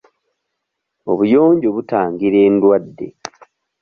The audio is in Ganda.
Obuyonjo butangira endwadde .